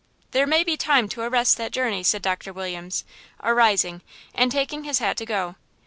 "There may be time to arrest that journey," said Doctor Williams, arising and taking his hat to go.